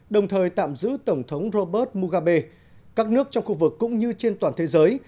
đồng thời tạm giữ tổng thống robert mugabe các nước trong khu vực cũng như trên toàn thế giới